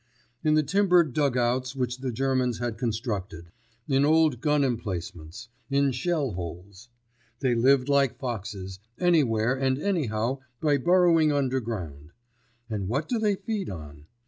In the timbered dug outs which the Germans had constructed; in old gun emplacements; in shell holes. They lived like foxes, anywhere and anyhow by burrowing underground. And what do they feed on?